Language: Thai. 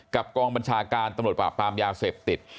กองบัญชาการตำรวจปราบปรามยาเสพติด